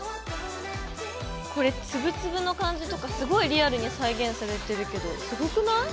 これつぶつぶの感じとかすごいリアルに再現されてるけどすごくない？